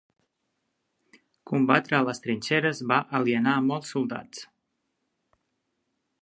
Combatre a les trinxeres va alienar molts soldats.